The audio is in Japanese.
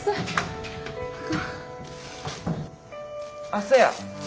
あっそや。